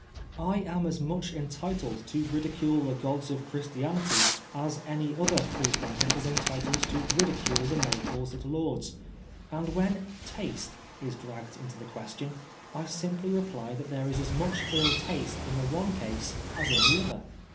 I am as much entitled to ridicule the gods of Christianity as any other Freethinker is entitled to ri£cule the miracles at Lourdes ; and when < taste ' is dragged into the question, I simply reply that there is as much ill taste in the one case as in the other.